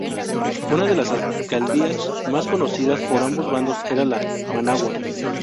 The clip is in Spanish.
Una de las alcaldías más codiciadas por ambos bandos era la de Managua.